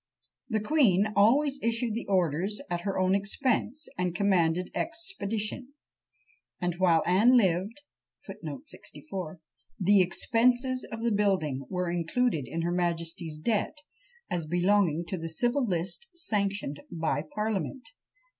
The queen always issued the orders at her own expense, and commanded expedition; and while Anne lived, the expenses of the building were included in her majesty's debts, as belonging to the civil list sanctioned by parliament.